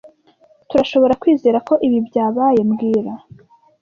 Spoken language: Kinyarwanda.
Turashoborakwizera ko ibi byabaye mbwira